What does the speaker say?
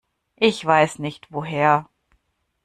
Ich weiß nicht woher.